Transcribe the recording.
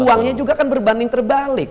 uangnya juga kan berbanding terbalik